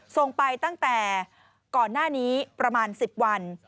ส่งไปตั้งแต่ก่อนหน้านี้ประมาณ๑๐วัน